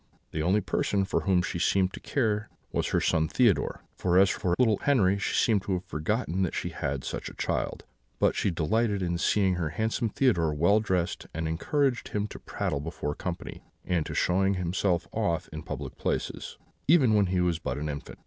The only person for whom she seemed to care was her son Theodore; for as for little Henri, she seemed to have forgotten that she had such a child; but she delighted in seeing her handsome Theodore well dressed, and encouraged him to prattle before company, and to show himself off in public places, even when he was but an infant.